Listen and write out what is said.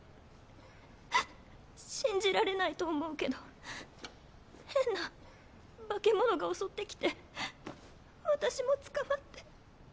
信じられないと思うけど変な化け物が襲ってきて私も捕まって。